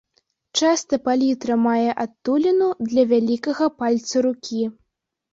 Часта палітра мае адтуліну для вялікага пальца рукі.